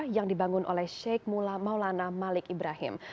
yang dibangun oleh sheikh mula maulana malik ibrahim